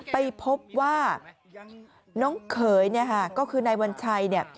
ไปพบว่าน้องเขยเนี่ยค่ะก็คือนายวัญชัยเนี่ย